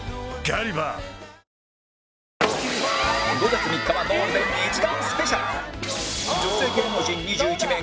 ５月３日はゴールデン２時間スペシャル